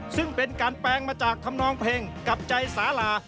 ซึ่งเป็นการแปลงมาจากธรรมนองเพลงกับใจสาลา